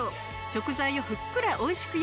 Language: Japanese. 食材をふっくら美味しく